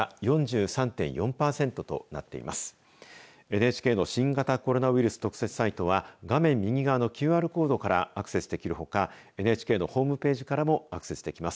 ＮＨＫの新型コロナウイルス特設サイトは画面右側のＱＲコードからアクセスできるほかＮＨＫのホームページからもアクセスできます。